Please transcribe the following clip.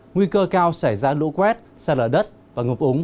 nguy cơ cao xảy ra lũ quét xa lở đất và ngập úng